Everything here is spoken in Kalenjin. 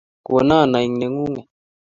Kono aek nengunget